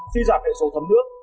suy giảm hệ số thấm nước